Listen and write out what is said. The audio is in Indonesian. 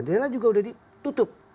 dela juga sudah ditutup